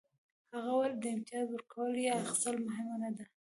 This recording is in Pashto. هغه وویل د امتیاز ورکول یا اخیستل مهمه نه ده